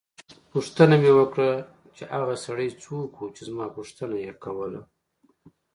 پوښتنه مې وکړه چې هغه سړی څوک وو چې زما پوښتنه یې کوله.